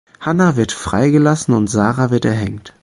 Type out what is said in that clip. Hannah wird frei gelassen und Sarah wird erhängt.